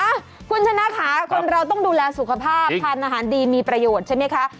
อ่ะคุณชนะค่ะคนเราต้องดูแลสุขภาพทานอาหารดีมีประโยชน์ใช่ไหมคะ